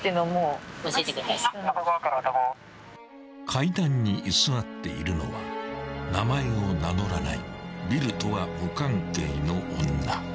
［階段に居座っているのは名前を名乗らないビルとは無関係の女］